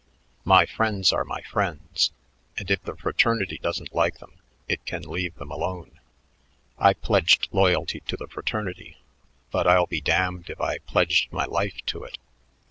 My friends are my friends, and if the fraternity doesn't like them, it can leave them alone. I pledged loyalty to the fraternity, but I'll be damned if I pledged my life to it."